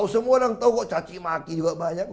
semua orang tau kok caci maki juga banyak